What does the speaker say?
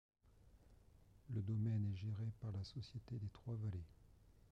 Le domaine est gérée par la Société des Trois Vallées.